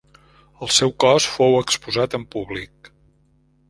El seu cos fou exposat en públic.